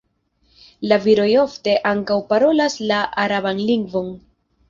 La viroj ofte ankaŭ parolas la araban lingvon.